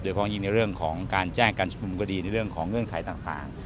เพราะยิ่งในเรื่องของการแจ้งการชุมนุมก็ดีในเรื่องของเงื่อนไขต่าง